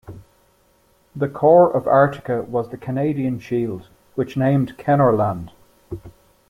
The core of Artica was the Canadian Shield, which named Kenorland.